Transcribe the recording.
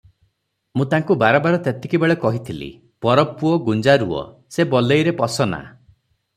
ମୁଁ ତାଙ୍କୁ ବାରବାର ତେତିକିବେଳେ କହିଥିଲି -'ପରପୁଅ ଗୁଞ୍ଜାରୁଅ' ସେ ବଲେଇରେ ପଶ ନା ।